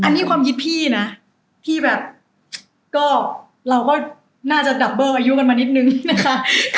อันนี้ความคิดพี่นะพี่แบบก็เราก็น่าจะดับเบอร์อายุกันมานิดนึงนะคะ